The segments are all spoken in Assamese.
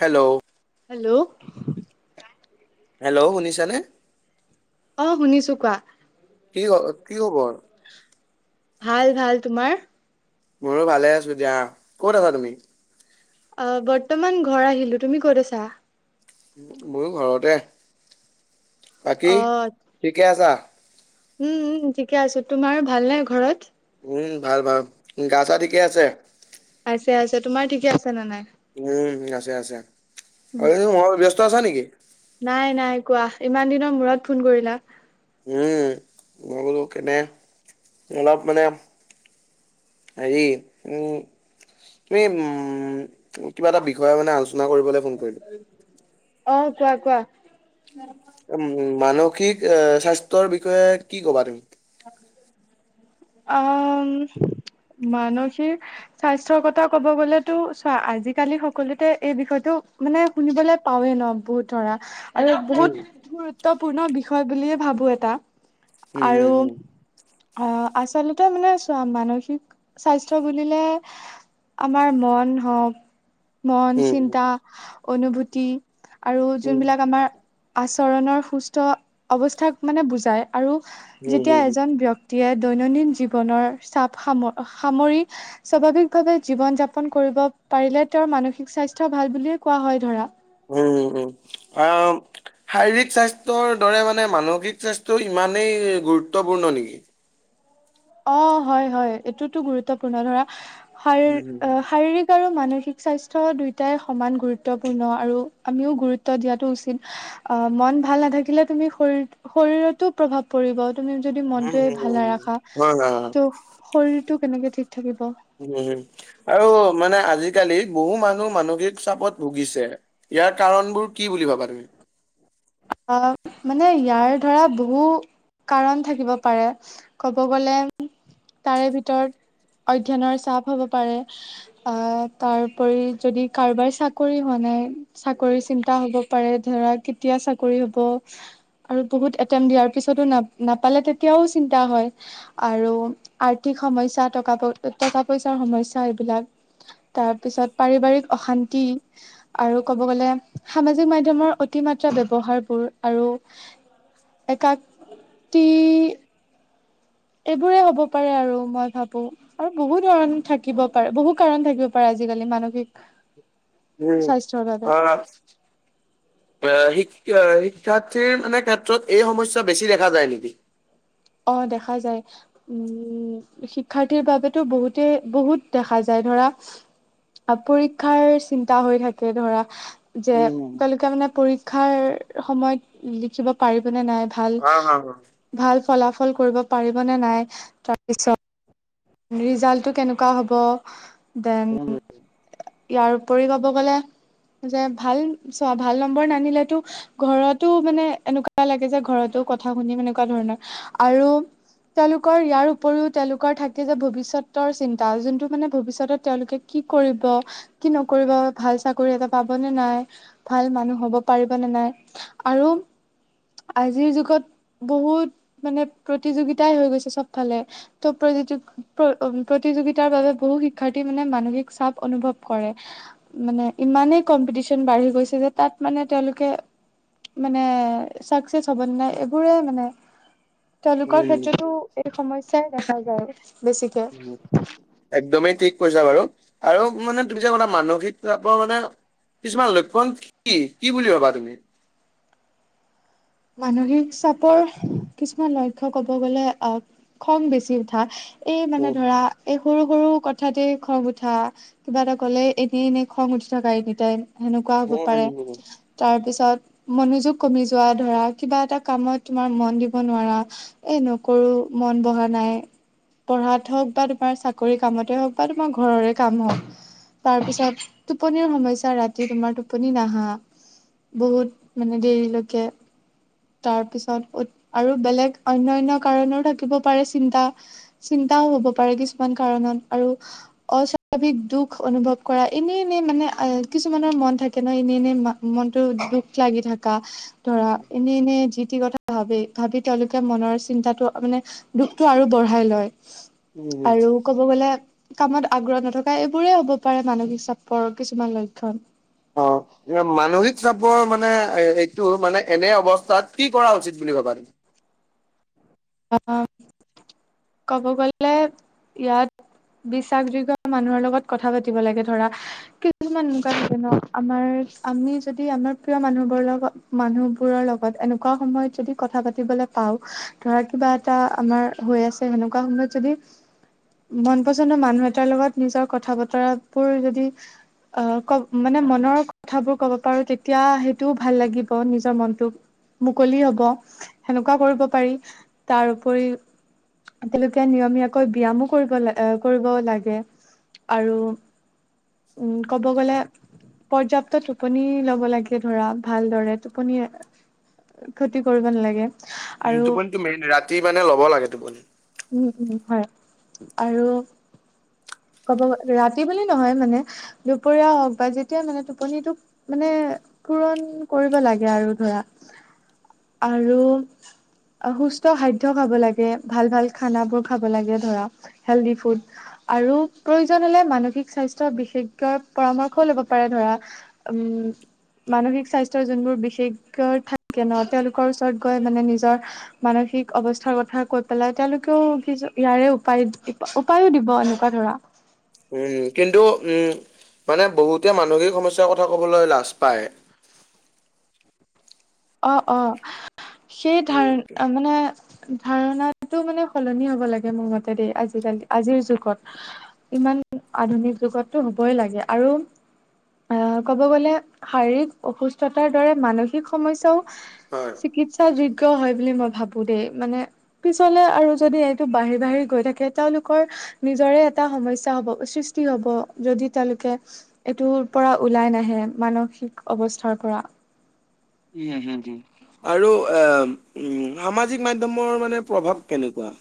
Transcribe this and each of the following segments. হেল্ল'! হেল্ল'! হেল্ল' শুনিছা নে? অ', শুনিছোঁ কোৱা। কি, হ' কি খবৰ? ভাল, ভাল তোমাৰ? মোৰো ভালেই আছোঁ দিয়া। ক'ত আছা তুমি? অ', বৰ্তমান ঘৰ আহিলোঁ, তুমি ক'ত আছা? ময়ো ঘৰতে, বাকী অ ঠিকে আছা? উম, উম, ঠিকে আছে তোমাৰ ভাল নে ঘৰত? উম ভাল ভাল। গা চা ঠিকে আছে? আছে আছে। তোমাৰ ঠিকে আছে নে নাই? উম আছে আছে। আৰু ম ব্যস্ত আছা নেকি? নাই নাই কোৱা ইমান দিনৰ মূৰত ফোন কৰিলা। উম মই বোলো কেনে অলপ মানে হেৰি উম এই উম কিবা এটা বিষয়ে মানে আলোচনা কৰিবলৈ ফোন কৰিলো। অ কোৱা কোৱা। উম, মানসিক এ স্বাস্থ্যৰ বিষয়ে কি কবা তুমি? অ মানসিক স্বাস্থ্যৰ কথা ক'ব গলেতো চোৱা আজিকালি সকলোতে এই বিষয়টো মানে শুনিবলৈ পাওঁৱে ন বহুত ধৰা আৰু উম বহুত গুৰুত্বপূৰ্ণ বিষয় বুলিয়ে ভাবো এটা। উম উম হুম। অ আচলতে মানে চোৱা মানসিক স্বাস্থ্য বুলিলে আমাৰ মন হওঁক মন উম চিন্তা। অনুভূতি আৰু উম যোনবিলাক আমাৰ আচৰণৰ সুস্থ অৱস্থাক মানে বুজাই আৰু উম যেতিয়া উম এজন ব্য ক্তিয়ে দৈনন্দিন জীৱনৰ চাপ সাম সামৰি স্বাভাৱিকভাৱে জীৱন যাপন কৰিব পাৰিলে তেওঁৰ মানসিক স্বাস্থ্য ভাল বুলিয়ে কোৱা হয় ধৰা। অ শাৰীৰিক স্বাস্থ্যৰ দৰে মানে মানসিক স্বাস্থ্য ইমানেই গুৰুত্বপূৰ্ণ নেকি? অ হয় হয়, এইটোতো গুৰুত্বপূৰ্ণ ধৰা উম, হুম, হুম। শাৰীৰি শাৰীৰিক আৰু মানসিক স্বাস্থ্য দুয়োটাই সমান গুৰুত্বপূৰ্ণ আৰু আমিও গুৰুত্ব দিয়াটো উচিত। অ মন ভাল নাথাকিলে তুমি শৰীৰ শৰীৰতো প্ৰভাৱ পৰিব। তুমি যদি উম, মনটোৱে হুম, হুম, ভাল হুম। নাৰাখা। হয় হয় ত' শৰীৰটো কেনেকে ঠিক থাকিব। উম আৰু মানে আজিকালি বহু মানুহ মানসিক চাপত ভুগিছে। ইয়াৰ কাৰণবোৰ কি বুলি ভাবা তুমি? অ মানে ইয়াৰ ধৰা বহু কাৰণ থাকিব পাৰে। ক'ব গলে তাৰে ভিতৰত অধ্যয়নৰ চাপ হব পাৰে। আ তাৰোপৰি যদি কাৰোবাৰ চাকৰি হোৱা নাই। চাকৰি চিন্তা হব পাৰে ধৰা কেতিয়া চাকৰি হব। আৰু বহুত এটেমপ্ত দিয়াৰ পিছতো না নাপালে তেতিয়াও চিন্তা হয়। আৰু আৰ্থিক সমস্যা টকা পই টকা পইচাৰ সমস্যা এইবিলাক। তাৰপিছত পাৰিবাৰিক অশান্তি। আৰু কব গ'লে সামাজিক মাধ্যমৰ অতি মাত্ৰা ব্যৱহাৰবোৰ আৰু একাকটি এইবোৰে হ'ব পাৰে আৰু মই ভাবো। আৰু বহু ধৰণ থাকিব পাৰে বহু কাৰণ থাকিব পাৰে আজিকালি মানসিক উম স্বাস্থ্যৰ বাবে হয় হয়। অ শিক শিক্ষাৰ্থীৰ মানে ক্ষেত্ৰত এই সমস্যা বেছি দেখা যায় নেকি? অ দেখা যায়। উম শিক্ষাৰ্থীৰ বাবেতো বহুতে বহুত দেখা যায় ধৰা। আ পৰীক্ষাৰ চিন্তা হৈ থাকে ধৰা। যে উম, হুম। তেওঁলোকে মানে পৰীক্ষাৰ সময়ত লিখিব পাৰিবনে নাই? ভাল অ', অ', ভাল ফলাফল কৰিব পাৰিবনে নাই। তাৰপিছত, - ৰিজাল্টটো কেনেকুৱা হ'ব? উম, দেন- ইয়াৰোপৰি ক'ব গলে যে ভাল চোৱা ভাল নম্বৰ নানিলেতো- ঘৰতো মানে এনেকুৱা লাগে যে ঘৰতো কথা শুনিম এনেকুৱা ধৰণৰ, আৰু- তেওঁলোকৰ ইয়াৰ উপৰিও তেওঁলোকৰ থাকে যে ভৱিষ্যতৰ চিন্তা যোনটো মানে ভৱিষ্যতত তেওঁলোকে- কি কৰিব কি নকৰিব ভাল চাকৰি এটা পাবনে নাই? ভাল মানুহ হ'ব পাৰিব নে নাই? আৰু- আজিৰ যুগত বহুত মানে প্ৰতিযোগিতাই হৈ গৈছে চবফালে। ত' প্ৰতিযো প্ৰতিযোগিতাৰ বাবে বহু শিক্ষাৰ্থী মানে মানসিক চাপ অনুভৱ কৰে। মানে ইমানেই কম্পিটিচন বাঢ়ি গৈছে যে তাত মানে তেওঁলোকে- মানে চাকচেচ হ'বনে নাই এইবোৰে মানে। তেওঁলোকৰ উম, ক্ষেত্ৰতো এইটো সমস্যাই দেখা যায়। বেছিকে। উম' একদমেই ঠিক কৈছা বাৰু, আৰু মানে তুমি যে কথা মানসিক চাপ মানে- কিছুমান লক্ষণ কি কি বুলি ভাবা তুমি? মানসিক চাপৰ কিছুমান লক্ষ্য ক'ব গ'লে আহ খং বেচি উঠা- এই মানে উম ধৰা, - এই সৰু সৰু কথাতেই খং উঠা কিবা এটা কলে এনেই এনেই খং উঠি থকা এনি টাইম। সেনেকুৱা হ'ব উম পাৰে উম তাৰ পিছত মনোযোগ কমি যোৱাত- ধৰা, কিবা এটা কামত তোমাৰ মন দিব নোৱাৰা এই নকৰো মন বহা নাই- পঢ়াত হওঁক বা তোমাৰ চাকৰি কামতে হওক বা তোমাৰ ঘৰৰে কাম হওঁক। তাৰপিছত টোপনিৰ সমস্যা ৰাতি তোমাৰ টোপনি নাহা- বহুত মানে দেৰিলৈকে- তাৰ পিছত, আৰু বেলেগ অন্য অন্য কাৰণও থাকিব পাৰে চিন্তা- চিন্তাও হব পাৰে কিছুমান কাৰণত আৰু- অস্বাভাৱিক দুখ অনুভৱ কৰা এনেই এনেই মানে আহ কিছুমানৰ মন থাকে ন এনেই এনেই মা- মনটো দুখ লাগি থাকা। [inaudible] এনেই এনেই যি টি কথা ভাবি- ভাবি তেওঁলোকে মনৰ চিন্তাটো মানে দুখটো আৰু বঢ়াই লয়। উম উম। আৰু ক'ব গলে, - কামত আগ্ৰহ নথকা এইবোৰেই হ'ব পাৰে মানসিক চাপৰ কিছুমান লক্ষণ। অঁ' এ মানসিক চাপৰ মানে সেইটো মানে এনে অৱস্থাত কি কৰা উচিত বুলি ভাবা তুমি? অ‍ঁ ক'ব গলে ইয়াত- বিশ্বাসযোগ্য মানুহৰ লগত কথা পাতিব লাগে। ধৰা, - কিছুমান এনেকুৱা লাগে ন আমাৰ আমি যদি আমাৰ প্ৰিয় মানুহবোৰ লগত- মানুহবোৰৰ লগত এনেকুৱা সময়ত যদি কথা পাতিবলে পাওঁ- ধৰা কিবা এটা আমাৰ হৈ আছে সেনেকুৱা সময়ত যদি- মন পচন্দৰ মানুহ এটাৰ লগত নিজৰ কথা বতৰাবোৰ যদি- অ কব মানে মনৰ কথাবোৰ কব পাৰো তেতিয়া সেইটোও ভাল লাগিব নিজৰ মনটো- মুকলি হব, সেনেকুৱা কৰিব পাৰি তাৰ ওপৰি- তেওঁলোকে নিয়মীয়াকৈ ব্যায়ামো কৰিব ল কৰিব লাগে। আৰু, উম ক'ব গ'লে পৰ্যাপ্ত টোপনি লব লাগে ধৰা ভালদৰে টোপনি ক্ষতি কৰিব নালাগে। উম আৰু টোপনিটো মেইন ৰাতি মানে ল'ব লাগে টোপনি। উম উম হয়, আৰু ক'ব ৰাতি বুলি নহয় মানে, দুপৰীয়া হওঁক বা যেতিয়া মানে টোপনিটোক মানে পূৰণ কৰিব লাগে আৰু ধৰা। আৰু, সুস্থ খাদ্য খাব লাগে, ভাল ভাল খানা বোৰ খাব লাগে ধৰা, হেল্ডি ফুড। আৰু, প্ৰয়োজন হ'লে মানসিক স্বাস্থ্য বিশেষজ্ঞৰ পৰামৰ্শও লব পাৰে ধৰা। উম। মানসিক স্বাস্থ্যৰ যোনবোৰ বিশেষকৈ থাকে ন, তেওঁলোকৰ ওচৰত গৈ মানে নিজৰ মানসিক অৱস্থাৰ কথা কৈ পেলাই তেওঁলোকে কিজে ইয়াৰে উপায় উপায়ো দিব এনেকুৱা ধৰা। উম কিন্তু, উম, মানে বহুতে মানসিক সমস্্যাৰ কথা কবলৈ লাজ পায়। অ', অ' সেই ধাৰ উম মানে ধাৰণাতটো মানে সলনি হ'ব লাগে, মোৰ মতে দেই আজিকালি আজিৰ যুগত। ইমান আধুনিক যুগতটো হ'বই লাগে আৰু আহ, ক'ব গ'লে শাৰীৰিক অসুস্থতাৰ দৰে মানসিক সমস্যাও, হয় চিকিৎসা যোগ্য হয় বুলি মই ভাবো দেই, মানে পিছলে আৰু যদি এইটো বাহিৰ বাহি গৈ থাকে, তেওঁলোকৰ নিজৰে এটা সমশ্য হ'ব সৃষ্টি হ'ব, যদি তেওঁলোকে এইটোৰ পৰা ওলাই নাহে, মানসিক অৱস্থাৰ পৰা। উম হম হম, আৰু এ, উম সামাজিক মাধ্্যমৰ মানে প্ৰভাৱ কেনেকুৱা?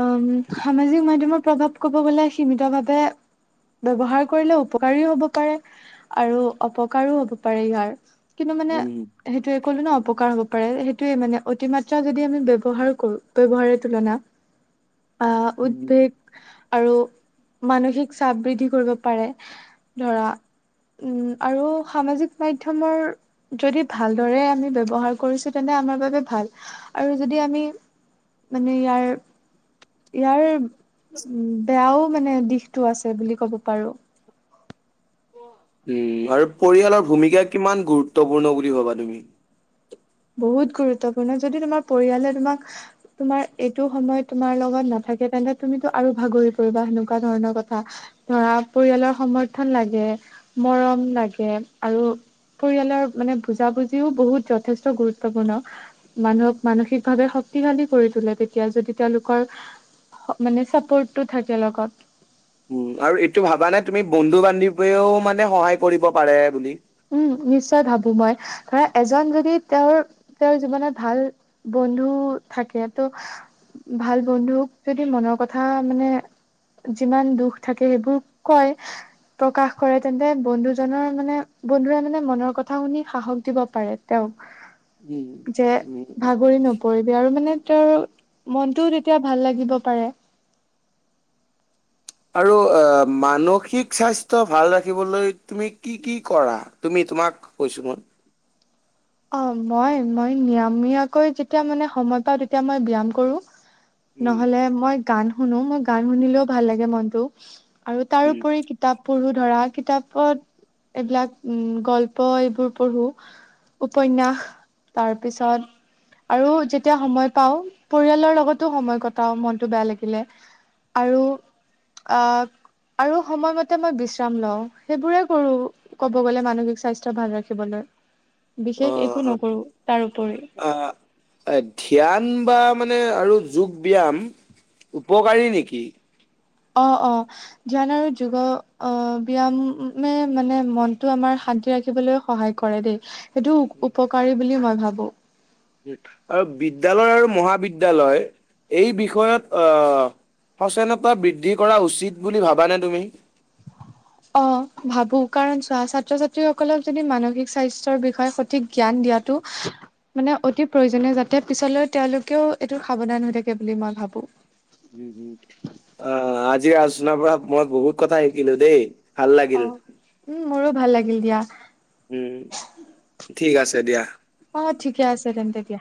আম, সামাজিক মাধ্যমৰ প্ৰভাৱ কব গ'লে সীমিতভাৱে ব্যৱহাৰ কৰিলে উপকাৰী হ'ব পাৰে, আৰু অপকাৰো হ'ব পাৰে ইয়াৰ। কিন্তু মানে উম সেইটো কলো ন অপকাৰ হ'ব পাৰে, সেইটোয়ে মানে অতিমাত্ৰা যদি আমি ব্য্য়ৱহাৰ কৰো ব্যয়ৱহাৰৰ তুলনা আহ, উম। উদ্ভিদ আৰু, মানসিক চাপ বৃদ্ধি কৰিব পাৰে, ধৰা উম আৰু সামাজিক মাধ্যমৰ যদি ভালদৰে আমি ব্য্ৱহাৰ কৰিছো তেন্তে আমাৰ বাবে ভাল, আৰু যদি আমি মানে ইয়াৰ ইয়াৰ, উম বেয়াও মানে দিশতটো আছে বুলি কব পাৰো। উম আৰু পৰিয়ালৰ ভূমিকা কিমান গুৰুত্বপূৰ্ণ বুলি ভবা তুমি? বহুত গুৰুত্বপূৰ্ণ, যদি তোমাৰ পৰিয়ালে তোমাক তোমাৰ এইটো সময় তোমাৰ লগত নাথাকে, তেন্তে তুমিতটো আৰু ভাগৰি পৰিবা সেনেকুৱা ধৰণৰ কথা। ধৰা পৰিয়ালৰ সমৰ্থন লাগে, মৰম লাগে, আৰু পৰিয়ালৰ মানে বুজাবুজিও বহুত যথেষ্ট গুৰুত্বপূৰ্ণ। মানুহক মানসিকভাৱে শক্তিশালী কৰি তোলে, তেতিয়া যদি তেওঁলোকৰ মানে চাপৰ্টটো থাকে লগত। আৰু এইটো ভাবানে তুমি বন্ধু বান্ধৱেও মানে সহায় কৰিব পাৰে বুলি? উম নিশ্চয় ভাবো মই, ধৰা এজন যদি তেওঁৰ তেওঁৰ জীৱনত ভাল বন্ধু থাকে তো ভাল বন্ধুক যদি মনৰ কথা মানে যিমান দুখ থাকে সেইবোৰ কয় প্ৰকাশ কৰে তেন্তে বন্ধুজনৰ মানে বন্ধুৱে মানে মনৰ কথা শুনি সাহস দিব পাৰে তেওঁক উম উম পৰিবি আৰু মানে তেওঁৰ মনটোও তেতিয়া ভাল লাগিব পাৰে আৰু আ মানসিক স্বাস্থ্য ভাল ৰাখিবলৈ তুমি কি কি কৰা তুমি তোমাক কৈছো মই অ মই মই নিয়মীয়াকৈ যেতিয়া মানে সময় পাওঁ তেতিয়া মই ব্যায়াম কৰো উম নহলে মই গান শুনো মই গান শুনিলেও ভাল লাগে মনটো আৰু উম তাৰোপৰি কিতাপ পঢ়ো ধৰা কিতাপত এইবিলাক উম গল্প এইবোৰ পঢ়ো উপন্যাস তাৰ পিছত আৰু যেতিয়া সময় পাও পৰিয়ালৰ লগতো সময় কটাও মনটো বেয়া লাগিলে আৰু আহ আৰু সময়মতে মই বিশ্ৰাম লওঁ সেইবোৰে কৰো কব গ'লে মানসিক স্বাস্থ্য ভাল ৰাখিবলৈ বিশেষ একো নকৰো তাৰপৰি অ এ ধ্যান বা মানে আৰু যোগ ব্যায়াম উপকাৰী নেকি অ অ ধ্যান আৰু যোগ অ ব্যায়ামে মানে মনটো আমাৰ শান্তি ৰাখিবলৈ সহায় কৰে দেই সেইটো উপকাৰী বুলি মই ভাবো আৰু বিদ্যয়ালয় আৰু মহাবিদ্যলয় এই বিষয়ত অ সচেতনতা বৃদ্ধি কৰা উচিত বুলি ভাবানে তুমি? অ ভাবো কাৰণ চোৱা ছাত্ৰ ছাত্ৰীসকলক যদি মানসিক স্বাস্থ্যৰ বিষয়ে সঠিক জ্ঞান দিয়াত টো মানে অতি প্ৰয়োজনীয় যাতে পিছলৈ তেওঁলোকেও এইটো সাৱধান হৈ থাকে বুলি মই ভাবো। উম উম অ আজিৰ আলোচনাৰ পৰা মই বহুত কথা শিকিলো দেই। ভাল অ লাগিল। উম মোৰো ভাল লাগিল দিয়া। উম ঠিক আছে দিয়া। অ ঠিকে আছে তেন্তে দিয়া।